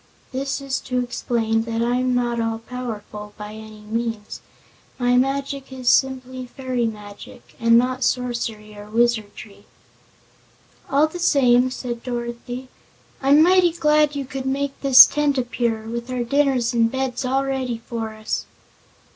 This is to explain that I'm not all powerful, by any means. My magic is simply fairy magic, and not sorcery or wizardry." "All the same," said Dorothy, "I'm mighty glad you could make this tent appear, with our dinners and beds all ready for us."